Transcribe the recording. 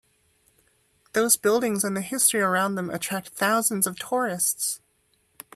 Those buildings and the history around them attract thousands of tourists.